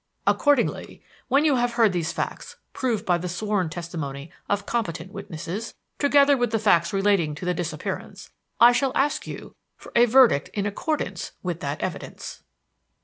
Accordingly, when you have heard these facts proved by the sworn testimony of competent witnesses, together with the facts relating to the disappearance, I shall ask you for a verdict in accordance with that evidence."